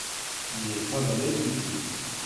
N’est pas valet qui veut !